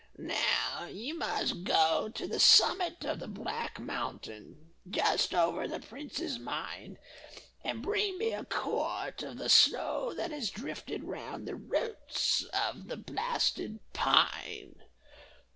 "Now you must go to the summit of the black mountain, just over the prince's mine, and bring me a quart of the snow that has drifted round the roots of the blasted pine.